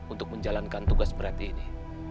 untuk menjalankan tugas berat ini